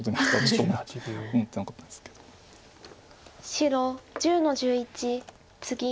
白１０の十一ツギ。